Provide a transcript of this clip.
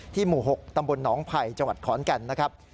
หมู่๖ตำบลหนองไผ่จังหวัดขอนแก่นนะครับ